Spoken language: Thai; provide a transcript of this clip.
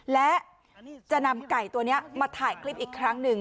และจะนำไก่ตัวนี้มาถ่ายคลิปอีกครั้งหนึ่ง